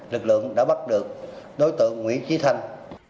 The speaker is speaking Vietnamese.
lực lượng đã bắt được đối tượng nguyễn trí thanh